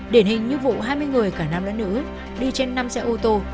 điển hình như vụ hai mươi người cả nam lẫn nữ đi trên năm xe ô tô